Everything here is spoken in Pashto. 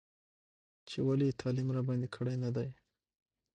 چې ولې یې تعلیم راباندې کړی نه دی.